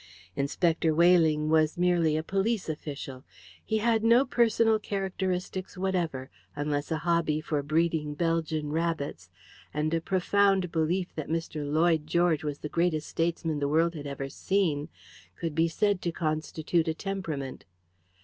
Inspector Weyling was merely a police official. He had no personal characteristics whatever, unless a hobby for breeding Belgian rabbits, and a profound belief that Mr. Lloyd George was the greatest statesman the world had ever seen, could be said to constitute a temperament.